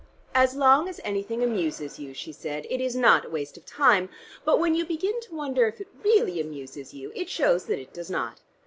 "As long as anything amuses you," she had said, "it is not waste of time; but when you begin to wonder if it really amuses you, it shows that it does not.